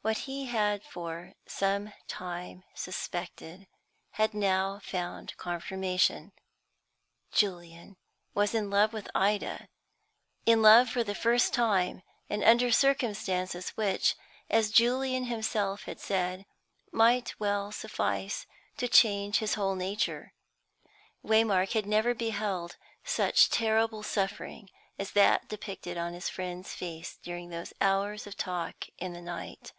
What he had for some time suspected had now found confirmation; Julian was in love with Ida, in love for the first time, and under circumstances which, as Julian himself had said, might well suffice to change his whole nature. Waymark had never beheld such terrible suffering as that depicted on his friend's face during those hours of talk in the night.